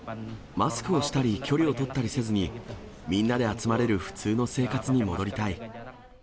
マスクをしたり、距離を取ったりせずに、みんなで集まれる普通の生活に戻りたい。